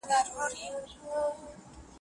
د یما جام راواخله